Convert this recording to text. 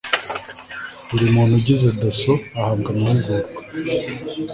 buri muntu ugize dasso ahabwa amahugurwa